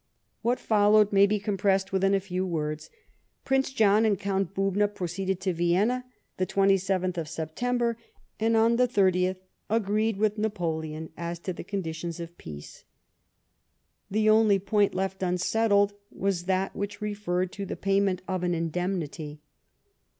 What followed may be compressed within a few words. Prince John and Count Bubna proceeded to Vienna the 27th of September, and, on the 30th, agreed with Napoleon as to the conditions of peace. The only point left unsettled was that which referred to the payment of an indemnity.